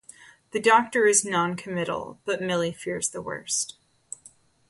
The doctor is noncommittal but Milly fears the worst.